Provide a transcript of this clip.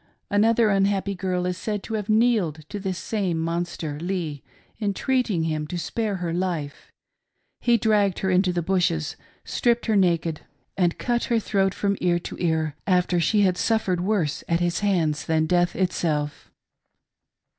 Another unhappy girl is said to have kneeled to this same monster Lee, entreating him to spare her life. He dragged her into the bushes, stripped her naked, and cut her throat 334 "I WILL REPAY) SAITH THE LORD." from ear to ear, after she had suffered worse at his hands than death itself.